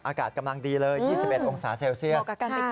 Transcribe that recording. อากาศกำลังดีเลย๒๑องศาเซลเซียส